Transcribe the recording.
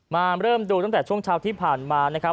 มาเริ่มดูตั้งแต่ช่วงเช้าที่ผ่านมานะครับ